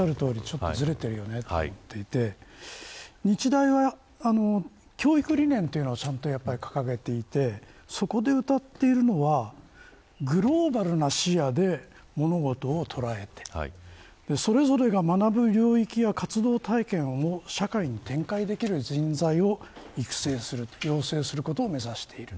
幼稚だしいじめかどうかという議論もおっしゃるとおりずれているよなと思っていて日大は教育理念というのはちゃんと掲げていてそこでうたっているのはグローバルな視野で物事を捉えてそれぞれが学ぶ領域や活動体験を社会に展開できる人材を育成する養成することを目指している。